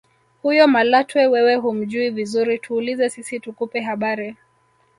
Huyo Malatwe wewe humjui vizuri tuulize sisi tukupe habari